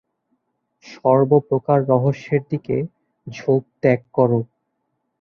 সর্বপ্রকার রহস্যের দিকে ঝোঁক ত্যাগ কর।